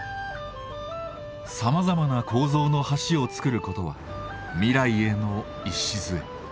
さまざまな構造の橋を造ることは未来への礎。